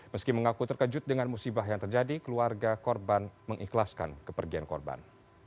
meski mengaku terkejut dengan musibah yang terjadi keluarga korban mengikhlaskan kepergian korban